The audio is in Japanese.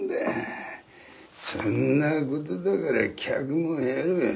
そんなことだから客も減る。